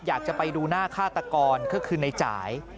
อยากจะไปดูหน้าฆาตกรก็คือในจ่าย